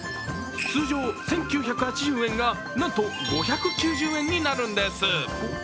通常１９８０円がなんと５９０円になるんです。